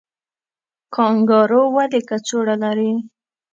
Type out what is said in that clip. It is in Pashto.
کانګارو ولې کڅوړه لري؟